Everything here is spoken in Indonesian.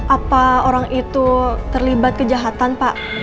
apa orang itu terlibat kejahatan pak